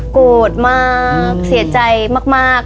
โกรธมากเสียใจมาก